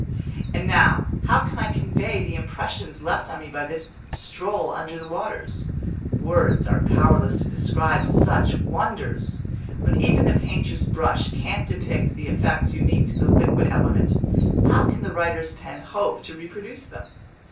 And now, how can I convey the impressions left on me by this stroll under the waters. Words are powerless to describe such wonders! When even the painter's brush can't depict the effects unique to the liquid element, how can the writer's pen hope to reproduce them?